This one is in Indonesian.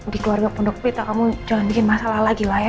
di keluarga pondok pita kamu jangan bikin masalah lagi lah ya